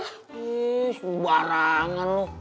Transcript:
ih sebarangan lo